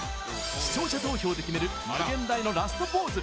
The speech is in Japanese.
視聴者投票で決める「無限大」のラストポーズ。